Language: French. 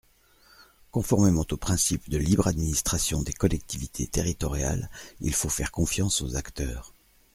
Conformément au principe de libre administration des collectivités territoriales, il faut faire confiance aux acteurs.